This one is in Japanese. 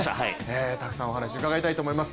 たくさんお話を伺いたいと思います。